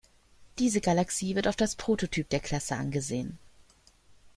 Diese Galaxie wird oft als Prototyp der Klasse angesehen.